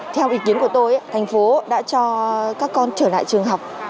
theo ý kiến của tôi thành phố đã cho các con trở lại trường học